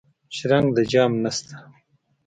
شرنګ د جام نشته